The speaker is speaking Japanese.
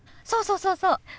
そうそうそうそう。